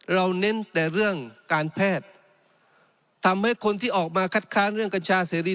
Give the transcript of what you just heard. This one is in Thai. เน้นแต่เรื่องการแพทย์ทำให้คนที่ออกมาคัดค้านเรื่องกัญชาเสรี